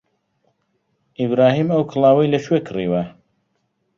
ئیبراهیم ئەو کڵاوەی لەکوێ کڕیوە؟